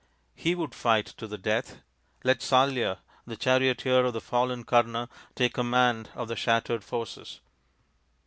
He would fight to the death. Let Salya, the charioteer of the fallen Karna, take com mand of the shattered forces.